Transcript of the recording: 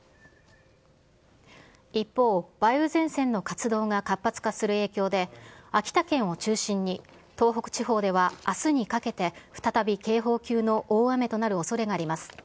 一方、梅雨前線の活動が活発化する影響で、秋田県を中心に東北地方ではあすにかけて、再び警報級の大雨となるおそれがあります。